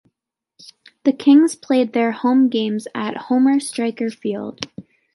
The Kings played their home games at Homer Stryker Field.